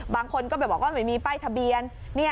บางคนก็ไปบอกว่าไม่มีป้ายทะเบียน